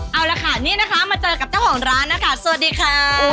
เอาละค่ะนี่นะคะมาเจอกับเจ้าของร้านนะคะสวัสดีค่ะ